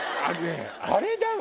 あれだわ！